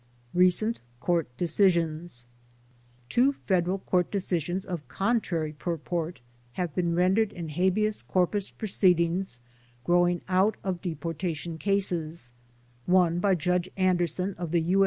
Recent Court Decisions Two federal court decisions of contrary purport have been rendered in habeas corpus proceedings growing out of depkDrtation cases, one by Judge Anderson of the U.